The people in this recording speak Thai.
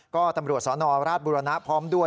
ก็ตำรวจสนราชบุรณะพร้อมด้วย